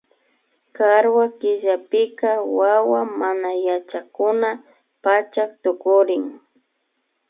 Karwa killapika wawa manayachakuna pachak tukurin